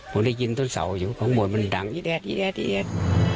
ผมได้ยินต้นเสาอยู่ข้างบนมันดังอีแดดอีแอด